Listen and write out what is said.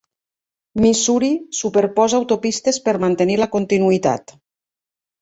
Missouri superposa autopistes per mantenir la continuïtat.